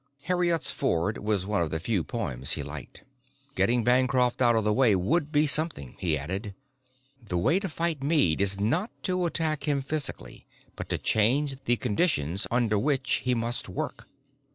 Heriots' Ford was one of the few poems he liked. "Getting Bancroft out of the way would be something," he added. "The way to fight Meade is not to attack him physically but to change the conditions under which he must work."